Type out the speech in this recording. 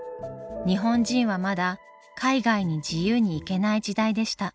日本人はまだ海外に自由に行けない時代でした。